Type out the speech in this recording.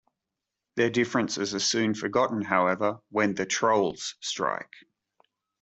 Their differences are soon forgotten however when the trolls strike.